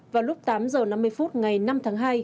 vào lúc tám h năm mươi phút ngày năm tháng hai